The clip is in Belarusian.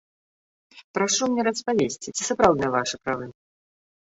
Прашу мне распавесці, ці сапраўдныя вашыя правы?